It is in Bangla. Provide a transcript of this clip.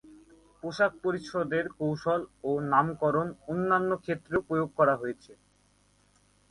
পোশাক-পরিচ্ছদের কৌশল ও নামকরণ অন্যান্য ক্ষেত্রেও প্রয়োগ করা হয়েছে।